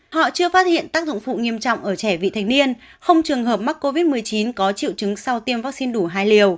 họ chưa phát hiện tác dụng phụ nghiêm trọng ở trẻ vị thành niên không trường hợp mắc covid một mươi chín có triệu chứng sau tiêm vaccine đủ hai liều